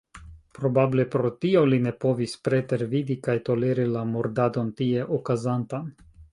Probable pro tio li ne povis pretervidi kaj toleri la murdadon tie okazantan.